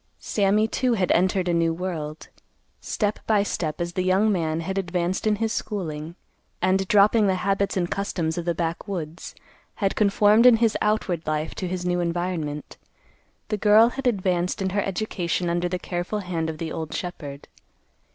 Sammy, too, had entered a new world. Step by step, as the young man had advanced in his schooling, and, dropping the habits and customs of the backwoods, had conformed in his outward life to his new environment, the girl had advanced in her education under the careful hand of the old shepherd.